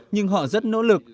nhưng họ rất nỗ lực